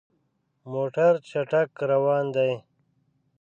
موټر چټک روان دی.